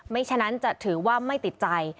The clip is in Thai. ฉะนั้นจะถือว่าไม่ติดใจ